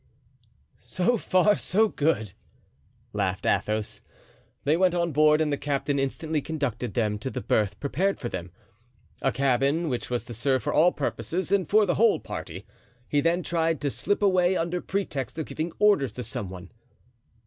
"So far, so good," laughed Athos. They went on board and the captain instantly conducted them to the berth prepared for them—a cabin which was to serve for all purposes and for the whole party; he then tried to slip away under pretext of giving orders to some one.